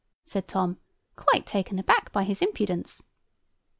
said Tom, quite taken aback by his impudence.